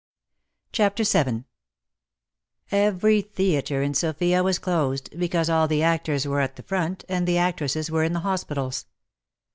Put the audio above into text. CHAPTER VII Every theatre in Sofia was closed, because all the actors were at the front and the actresses were in the hospitals.